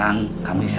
bapak sudah sadar